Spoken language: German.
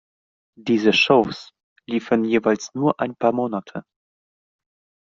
Diese Shows liefen jeweils nur ein paar Monate.